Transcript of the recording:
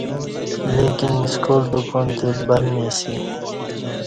لیکن سکال دکان تہ بند می اسیہ